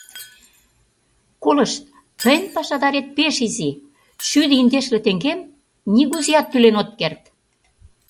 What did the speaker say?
— Колышт, тыйын пашадарет пеш изи, шӱдӧ индешле теҥгем нигузеат тӱлен от керт...